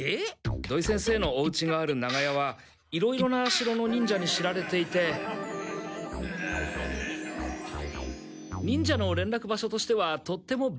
土井先生のおうちのある長屋はいろいろな城の忍者に知られていて忍者の連絡場所としてはとっても便利だと思ったものですから。